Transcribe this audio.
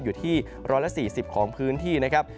อยู่ที่๑๔๐ของพื้นที่นะครับ